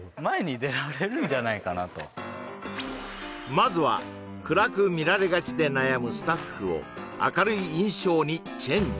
まずは暗く見られがちで悩むスタッフを明るい印象にチェンジ